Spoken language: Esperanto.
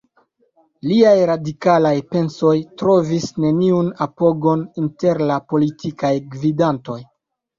Liaj radikalaj pensoj trovis neniun apogon inter la politikaj gvidantoj.